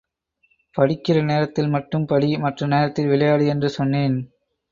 படிக்கிற நேரத்தில் மட்டும் படி மற்ற நேரத்தில் விளையாடு என்று சொன்னேன்.